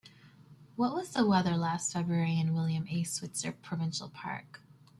What was the weather last February in William A. Switzer Provincial Park?